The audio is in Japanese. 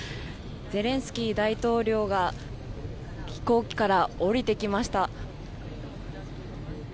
ゼレンスキー大統領が飛行機から降りてきました。